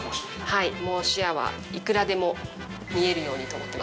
はいもう視野はいくらでも見えるようにと思ってます。